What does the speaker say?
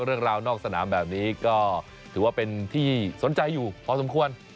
เรื่องราวนอกสนามแบบนี้ก็ถือว่าเป็นที่สนใจอยู่พอสมควร